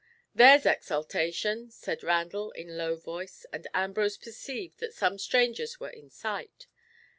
"There's exaltation!" said Randall in a low voice, and Ambrose perceived that some strangers were in sight.